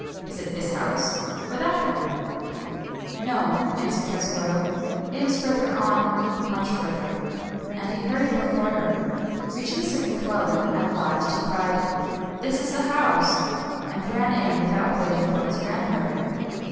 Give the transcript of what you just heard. — is it this house or that one ?"" No," answered Katsugoro, —" it is further on — much further," — and he hurried before her. Reaching a certain dwelling at last, he cried, "This is the house!" — and ran in, without waiting for his grandmother.